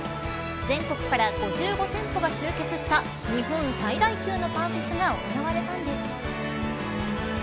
全国から５５店舗が集結した日本最大級のパンフェスが行われたんです。